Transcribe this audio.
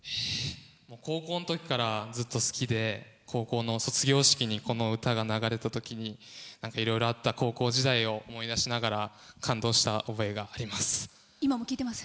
高校のときからずっと好きで高校の卒業式にこの歌が流れたときにいろいろあった高校時代を思い出しながら今も聴いてます？